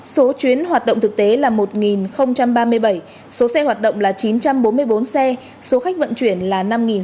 số chuyến hoạt động thực tế là một ba mươi bảy số xe hoạt động là chín trăm bốn mươi bốn xe số khách vận chuyển là năm sáu trăm bốn mươi một